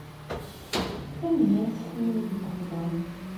Tanemmirt imi ay iyi-d-txebbrem.